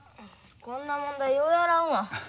こんな問題ようやらんわ。